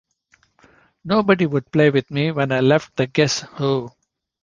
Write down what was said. Nobody would play with me when I left The Guess Who.